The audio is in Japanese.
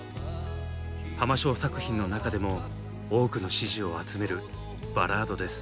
浜省作品の中でも多くの支持を集めるバラードです。